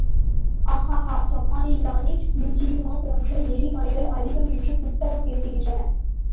ஹ... ஹ்.... ஹா! ஜப்பானில்தானே ப்யூஜியாமா போன்ற எரிமலைகள் அதிகம் என்று புத்தகங்கள் பேசுகின்றன?